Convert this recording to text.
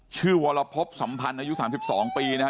วรพบสัมพันธ์อายุ๓๒ปีนะฮะ